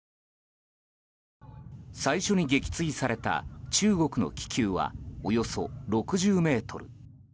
最初に撃墜された中国の気球はおよそ６０ｍ。